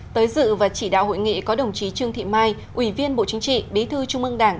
tới dự và chỉ đạo hội nghị có đồng chí trương thị mai ủy viên bộ chính trị bí thư trung ương đảng